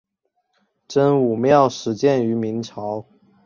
真武庙始建于明朝。